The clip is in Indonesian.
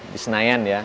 di senayan ya